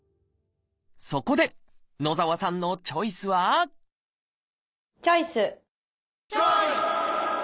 そこで野澤さんのチョイスはチョイス！